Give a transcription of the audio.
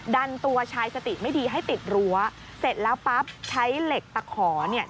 ดันตัวชายสติไม่ดีให้ติดรั้วเสร็จแล้วปั๊บใช้เหล็กตะขอเนี่ย